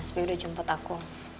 mas bi udah jemput aku